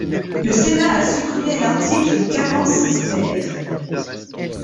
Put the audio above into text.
Le Sénat a supprimé l’article quarante-six ter.